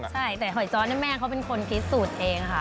ใช่แต่หอยจอร์ดแม่เขาเป็นคนคิดสูตรเองค่ะ